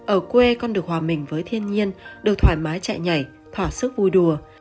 ở quê con được hòa mình với thiên nhiên được thoải mái chạy nhảy thỏa sức vui đùa